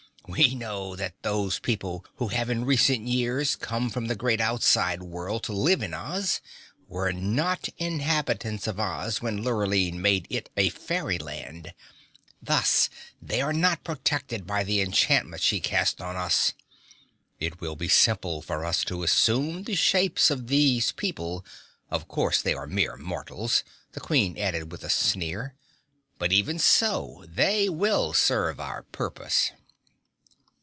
We know that those people who have in recent years come from the great outside world to live in Oz, were not inhabitants of Oz when Lurline made it a fairyland. Thus they are not protected by the enchantment she cast on us. It will be simple for us to assume the shapes of these people of course they are mere mortals " the Queen added with a sneer, "but even so they will serve our purpose."